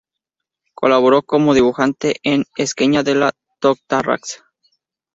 Colaboró como dibujante en "L'Esquella de la Torratxa".